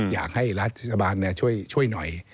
อยากให้รัฐบาลช่วยหน่อย